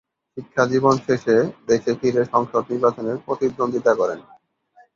শিক্ষাজীবন শেষে দেশে ফিরে সংসদ নির্বাচনে প্রতিদ্বন্দ্বিতা করেন।